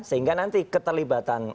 sehingga nanti ketelibatan